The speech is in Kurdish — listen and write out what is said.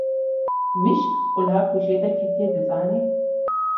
Mişk qula ku jê derketiye dizane.